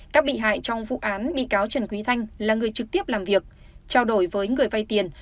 các bị hại trong vụ án bị cáo trần quý thanh là người trực tiếp làm việc trao đổi với người vay tiền